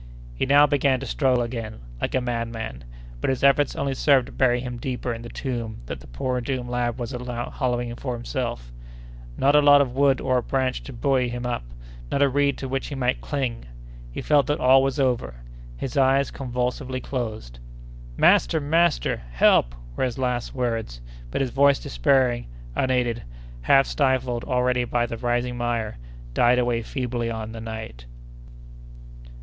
He now began to struggle again, like a madman; but his efforts only served to bury him deeper in the tomb that the poor doomed lad was hollowing for himself; not a log of wood or a branch to buoy him up; not a reed to which he might cling! He felt that all was over! His eyes convulsively closed! "Master! master!—Help!" were his last words; but his voice, despairing, unaided, half stifled already by the rising mire, died away feebly on the night.